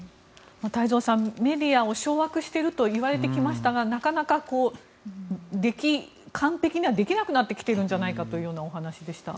太蔵さんメディアを掌握しているといわれてきましたがなかなか完璧にはできなくなってきているんじゃないかというようなお話でした。